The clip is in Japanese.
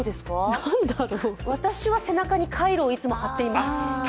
私は背中にカイロをついも貼っています。